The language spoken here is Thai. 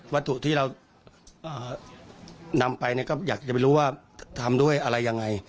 วัตถุที่เรานำไปเนี่ยก็อยากจะไปรู้ว่าทำด้วยอะไรยังไง